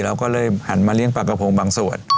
เราก็เลยหันมาเลี้ยงปลากระพงบางส่วน